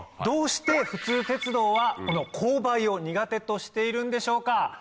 どうして普通鉄道はこの勾配を苦手としているんでしょうか。